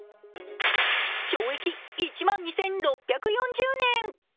懲役１万２６４０年。